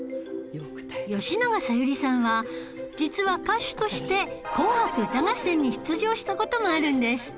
吉永小百合さんは実は歌手として『紅白歌合戦』に出場した事もあるんです